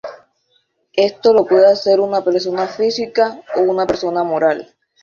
Esto lo puede hacer una persona física o una persona moral.